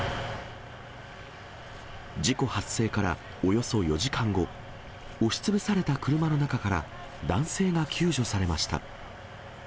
事故発生からおよそ４時間後、押しつぶされた車の中から男性が救助されました。